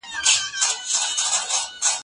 سوله د خلکو ترمنځ تفاهم او یووالی پیاوړی کوي.